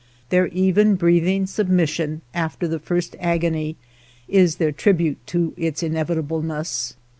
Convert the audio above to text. Their even breathing sub mission after the first agony is their trib ute to its inevitableness.